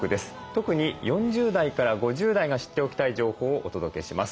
特に４０代から５０代が知っておきたい情報をお届けします。